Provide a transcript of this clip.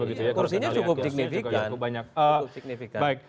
kursinya cukup signifikan